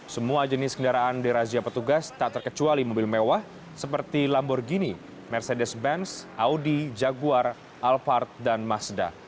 semua jenis kendaraan dirazia petugas tak terkecuali mobil mewah seperti lamborghini mercedes benz audi jaguar alphard dan mazda